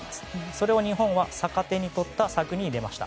それを日本は逆手に取った策に出ました。